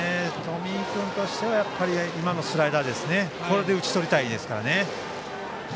冨井君としては今のスライダーこれで打ち取りたいですからね。